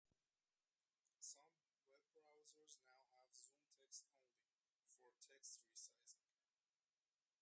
Some web browsers now have Zoom Text Only, for text resizing.